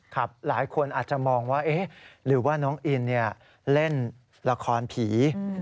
หลายคนอาจจะมองว่าหรือว่าน้องอินเล่นละครผี